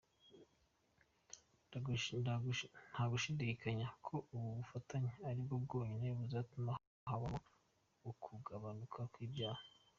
Ntagushidikanya ko ubu bufatanye aribwo bwonyine buzatuma habaho ukugabanuka kw’ibyaha.”